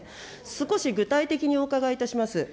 少し具体的にお伺いいたします。